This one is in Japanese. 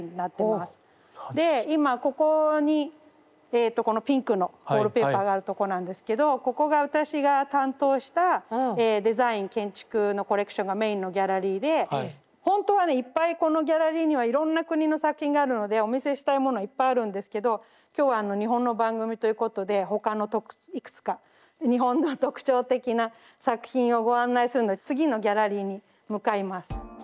３１。で今ここにえとこのピンクのウォールペーパーがあるとこなんですけどここが私が担当したデザイン建築のコレクションがメインのギャラリーでほんとはねいっぱいこのギャラリーにはいろんな国の作品があるのでお見せしたいものいっぱいあるんですけど今日は日本の番組ということで他のいくつか日本の特徴的な作品をご案内するのに次のギャラリーに向かいます。